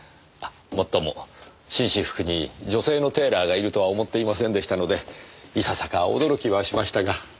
もっとも紳士服に女性のテーラーがいるとは思っていませんでしたのでいささか驚きはしましたが。